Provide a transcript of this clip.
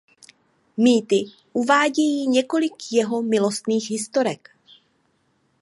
Mýty uvádějí několik jeho milostných historek.